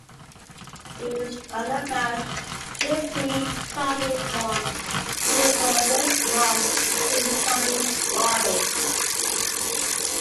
In his final bout, Dempsey, suffering from tuberculosis, lost to Tommy Ryan.